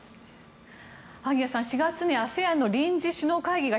萩谷さん、４月にＡＳＥＡＮの臨時首脳会議が